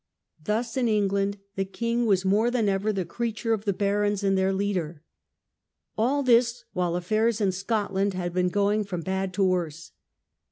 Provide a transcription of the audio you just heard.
Thus in Eng land the king was more than ever the creature of the barons and their leader. All this while affairs in Scotland had been going from bad to worse.